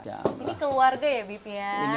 oke ini keluarga ya bib ya